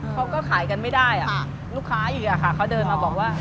เขาก็ขายกันไม่ได้ลูกค้าอยู่อะค่ะเขาเดินมาบอกว่า